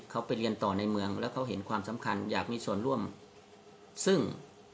เขาไปเรียนต่อในเมืองแล้วเขาเห็นความสำคัญอยากมีส่วนร่วมซึ่ง